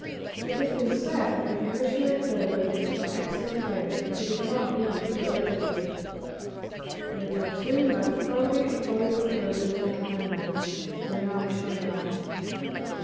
It has been said that a missionary furlough is an excellent thing if it is not needed too urgently. We have had two most thoroughly enjoyable furloughs in the homeland, during our missionary life.